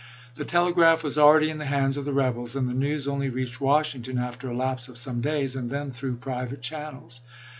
The telegraph was already in the hands of the rebels, and the news only reached Washing ton after a lapse of some days, and then through private channels.